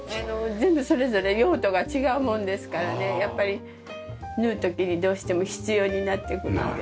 全部それぞれ用途が違うもんですからねやっぱり縫う時にどうしても必要になってくるんです。